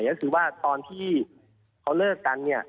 ก็คือว่าตอนที่เขาเลิกกันเนี่ย